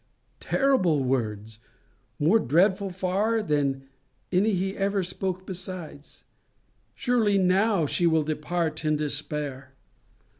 Terrible words! more dreadful far than any he ever spoke besides! Surely now she will depart in despair!